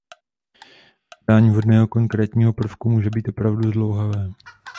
Hledání vhodného konkrétního prvku může být opravdu zdlouhavé.